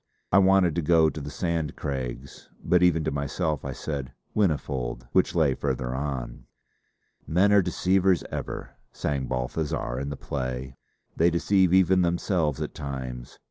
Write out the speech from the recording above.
I wanted to go to the Sand Craigs; but even to myself I said 'Whinnyfold' which lay farther on. "Men are deceivers ever," sang Balthazar in the play: they deceive even themselves at times.